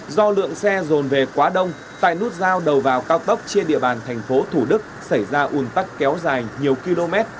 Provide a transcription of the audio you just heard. do lượng xe dồn về quá đông tại nút giao đầu vào cao tốc trên địa bàn tp thủ đức xảy ra ủn tắc kéo dài nhiều km